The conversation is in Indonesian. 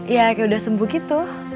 ya kayak udah sembuh gitu